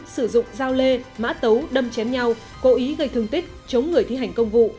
sử dụng dao lê mã tấu đâm chém nhau cố ý gây thương tích chống người thi hành công vụ